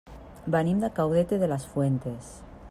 Venim de Caudete de las Fuentes.